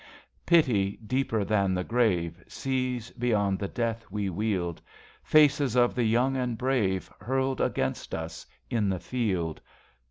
Pity deeper than the grave Sees, beyond the death we wield. Faces of the young and brave Hurled against us in the field.